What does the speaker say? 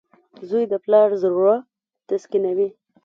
• زوی د پلار زړۀ تسکینوي.